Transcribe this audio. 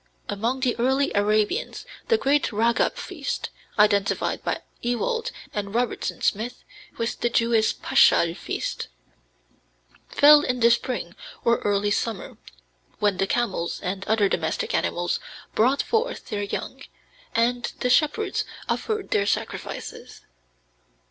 Among the early Arabians the great ragab feast, identified by Ewald and Robertson Smith with the Jewish paschal feast, fell in the spring or early summer, when the camels and other domestic animals brought forth their young and the shepherds offered their sacrifices.